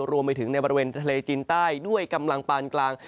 รวมไปถึงในบริเวณทะเลจีนใต้ด้วยกำลังปานกลาง